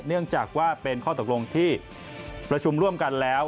เนื่องจากว่าเป็นข้อตกลงที่ประชุมร่วมกันแล้ว